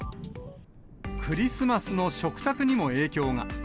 クリスマスの食卓にも影響が。